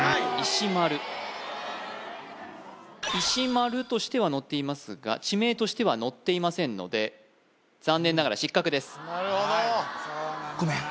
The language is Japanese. しまる「いしまる」としては載っていますが地名としては載っていませんので残念ながら失格ですなるほどごめん